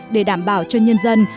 để đảm bảo cho nhân dân